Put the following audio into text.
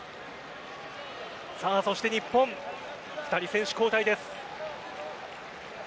そして日本２人選手交代です。